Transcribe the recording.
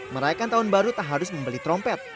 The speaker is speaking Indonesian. merayakan tahun baru tak harus membeli trompet